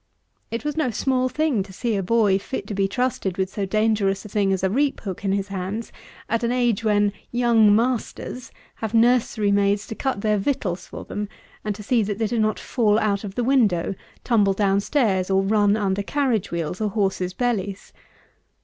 It was no small thing to see a boy fit to be trusted with so dangerous a thing as a reap hook in his hands, at an age when "young masters" have nursery maids to cut their victuals for them, and to see that they do not fall out of the window, tumble down stairs, or run under carriage wheels or horses' bellies.